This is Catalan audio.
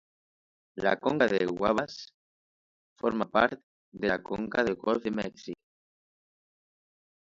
La conca del Wabash forma part de la conca del Golf de Mèxic.